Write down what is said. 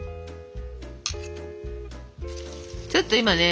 ちょっと今ね